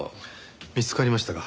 見つかりましたか？